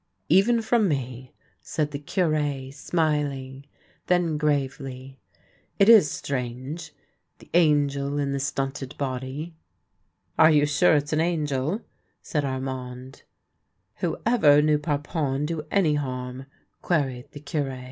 Even from me," said the Cure, smiling. Then, gravely :" It is strange, the angel in the stunted body." " Are you sure it's an angel ?" said Armand. '" Whoever knew Parpon do any harm ?" queried the Cure.